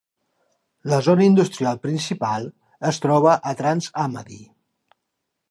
La zona industrial principal es troba a Trans Amadi.